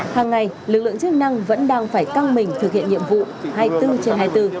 hàng ngày lực lượng chức năng vẫn đang phải căng mình thực hiện nhiệm vụ hai mươi bốn trên hai mươi bốn